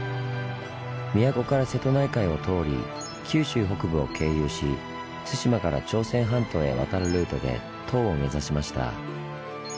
都から瀬戸内海を通り九州北部を経由し対馬から朝鮮半島へ渡るルートで唐を目指しました。